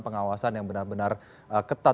pengawasan yang benar benar ketat